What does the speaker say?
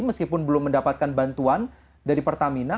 meskipun belum mendapatkan bantuan dari pertamina